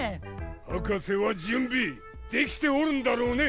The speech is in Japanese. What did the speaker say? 博士は準備できておるんだろうね。